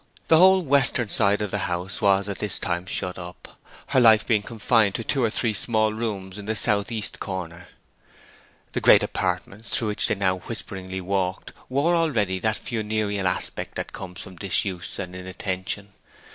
The whole western side of the house was at this time shut up, her life being confined to two or three small rooms in the south east corner. The great apartments through which they now whisperingly walked wore already that funereal aspect that comes from disuse and inattention.